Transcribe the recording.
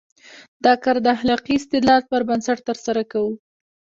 دا کار د اخلاقي استدلال پر بنسټ ترسره کوو.